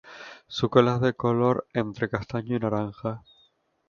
Su cola es de un color entre castaño y naranja.